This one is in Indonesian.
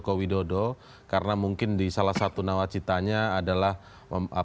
jatika cute laku siap tema